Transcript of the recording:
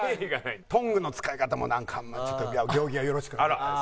トングの使い方もなんかちょっと行儀がよろしくない。